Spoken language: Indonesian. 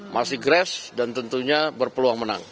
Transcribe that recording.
masih grass dan tentunya berpeluang menang